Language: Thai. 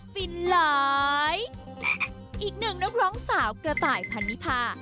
ฟินหลายอีกหนึ่งนักร้องสาวกระต่ายพันนิพา